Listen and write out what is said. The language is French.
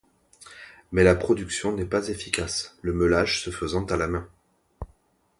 Mais la production n'est pas efficace, le meulage se faisant à la main.